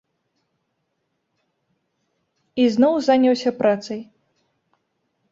І зноў заняўся працай.